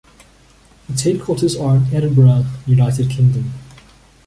Its headquarters are in Edinburgh, United Kingdom.